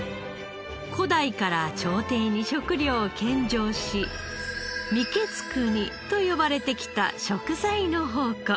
古代から朝廷に食料を献上し御食国と呼ばれてきた食材の宝庫。